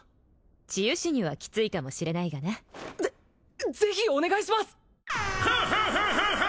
治癒士にはキツいかもしれないがなぜぜひお願いします！